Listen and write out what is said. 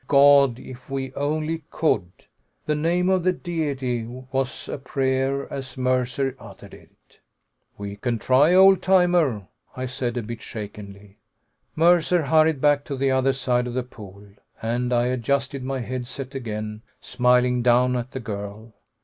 God! If we only could!" The name of the Deity was a prayer as Mercer uttered it. "We can try, old timer," I said, a bit shakenly. Mercer hurried back to the other side of the pool, and I adjusted my head set again, smiling down at the girl.